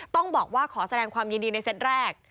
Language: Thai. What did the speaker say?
ต้องบอกว่าขอแสดงความยินดีในเซตแรก